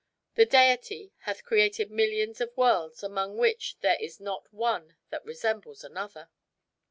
The Deity hath created millions of worlds among which there is not one that resembles another.